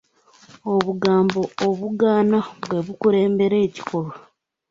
Obugambo obugaana bwe bukulembera ekikolwa.